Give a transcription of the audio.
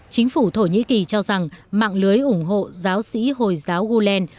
chính phủ thổ nhĩ kỳ cho rằng mạng lưới ủng hộ giáo sĩ hồi giáo gulen